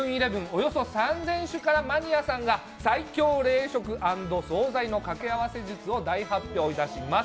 およそ３０００種からマニアさんが、最強冷食＆総菜の掛け合わせ術を大発表いたします。